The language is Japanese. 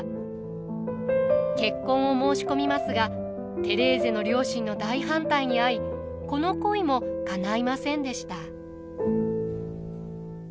結婚を申し込みますがテレーゼの両親の大反対に遭いこの恋もかないませんでした。